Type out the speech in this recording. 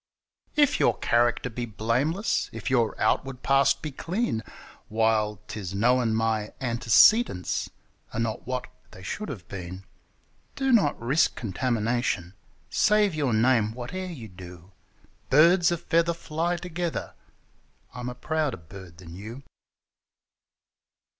If your character be blameless, if your outward past be clean, While 'tis known my antecedents are not what they should have been, Do not risk contamination, save your name whate'er you do — 'Birds o' feather fly together': I'm a prouder bird than you!